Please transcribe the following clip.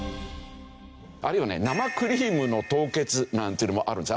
あるいはね生クリームの凍結なんていうのもあるんです。